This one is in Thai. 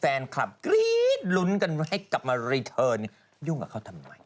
แฟนคลับกรี้๊ดหลุ้นให้กลับมาแสขยุ่งกับเขาทำไม